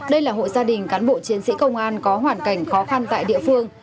đây là hội gia đình cán bộ chiến sĩ công an có hoàn cảnh khó khăn tại địa phương